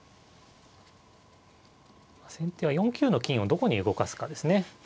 先手は４九の金をどこに動かすかですね。